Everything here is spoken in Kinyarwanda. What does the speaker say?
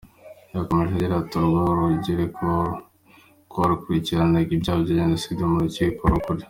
Yakomeje agira ati “Urwo rugereko rwakurikiranaga ibyaha bya Jenoside mu Rukiko rukuru.